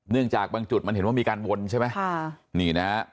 เนื่องจากบ้างจุดมันเห็นมีการวนใช่ไหม